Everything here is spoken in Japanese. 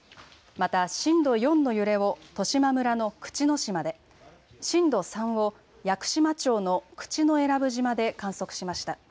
また震度４の揺れを十島村の口之島で、震度３を屋久島町の口永良部島で観測しました。